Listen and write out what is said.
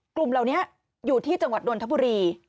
กลุ่มเหล่านี้อยู่ที่จังหวัดนทบุรี